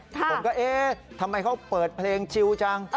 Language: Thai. ผมก็เอ๊ะทำไมเขาเปิดเพลงชิวจัง